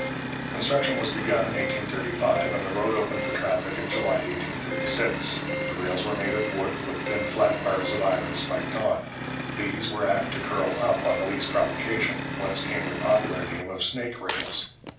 Construction was begun in 1835, and the road opened for traffic in July 1836. The rails were of wood, with thin flat bars of iron spiked on. These were apt to curl up on the least provocation, whence came their popular name of 'snake rails.'